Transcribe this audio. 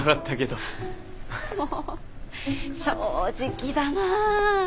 もう正直だなぁ。